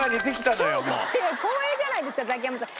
光栄じゃないですかザキヤマさん。